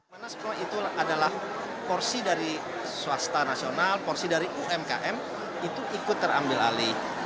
monas pro itu adalah porsi dari swasta nasional porsi dari umkm itu ikut terambil alih